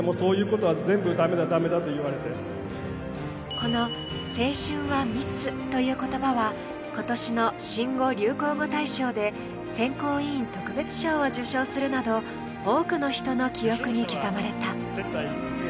この「青春は密」という言葉は今年の新語・流行語大賞で選考委員特別賞を受賞するなど多くの人の記憶に刻まれた。